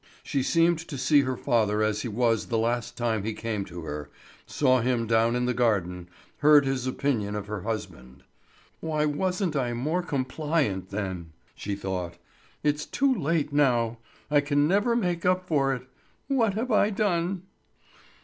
She seemed to see her father as he was the last time he came to her, saw him down in the garden, heard his opinion of her husband. "Why wasn't I more compliant then?" she thought. "It's too late now! I can never make up for it! What have I done?"